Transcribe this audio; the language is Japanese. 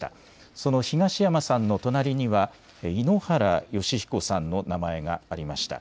その東山さんの隣には、井ノ原快彦さんの名前がありました。